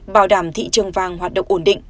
bảo đảm thị trường vàng hoạt động ổn định